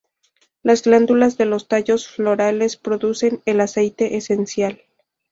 Las glándulas de los tallos florales producen el aceite esencial.